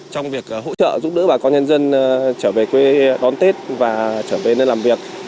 trong việc hỗ trợ giúp đỡ bà con nhân dân trở về quê đón tết và trở về nơi làm việc